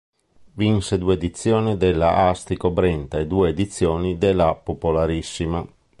Vinse due edizioni della Astico-Brenta e due edizioni de La Popolarissima.